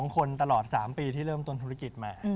๒คนตลอด๓ปีเริ่มโทษธุรกิจมา